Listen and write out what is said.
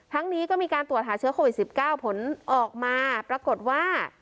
นี้ก็มีการตรวจหาเชื้อโควิด๑๙ผลออกมาปรากฏว่า